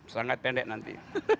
sangat pendek nanti